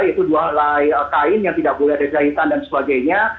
yaitu dua kain yang tidak boleh ada jahitan dan sebagainya